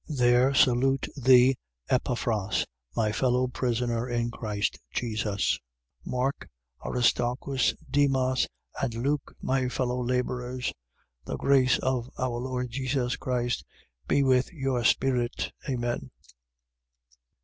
1:23. There salute thee Epaphras, my fellow prisoner in Christ Jesus: 1:24. Mark, Aristarchus, Demas and Luke, my fellow labourers. 1:25. The grace of our Lord Jesus Christ be with your spirit. Amen.